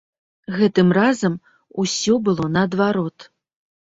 Гэтым разам усё было наадварот.